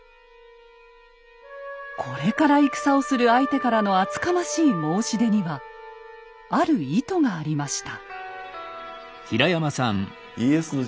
これから戦をする相手からの厚かましい申し出にはある意図がありました。